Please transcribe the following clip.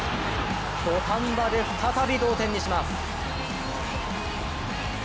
土壇場で再び同点にします。